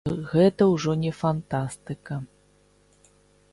Гэта ўжо не фантастыка.